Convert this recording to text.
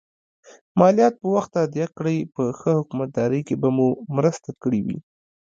مالیات په وخت تادیه کړئ په ښه حکومتدارۍ کې به مو مرسته کړي وي.